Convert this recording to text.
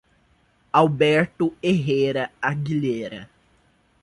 Alberto Herrera Aguilera